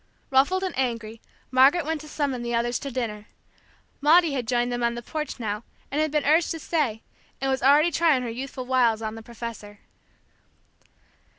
Ruffled and angry, Margaret went to summon the others to dinner. Maudie had joined them on the porch now, and had been urged to stay, and was already trying her youthful wiles on the professor.